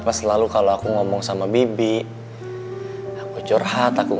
bisa justru tepat'sifat non silah dan bu hilda turgot raudhyarom